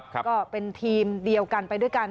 ก็เป็นทีมเดียวกันไปด้วยกัน